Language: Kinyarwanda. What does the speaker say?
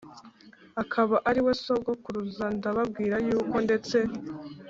akaba ari we sogokuruza Ndababwira yuko ndetse